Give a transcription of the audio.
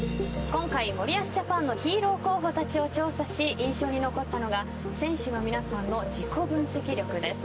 今回、森保ジャパンのヒーロー候補たちを調査し、印象に残ったのが選手の皆さんの自己分析力です。